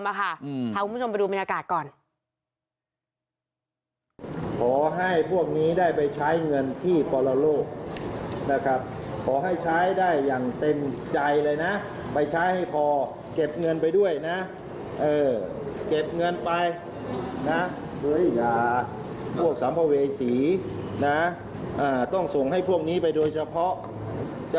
พาคุณผู้ชมไปดูบรรยากาศก่อน